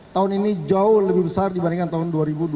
tahun ini jauh lebih besar dibandingkan tahun dua ribu dua puluh